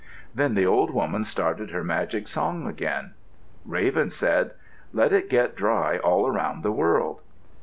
Then the old woman started her magic song again. Raven said, "Let it get dry all around the world."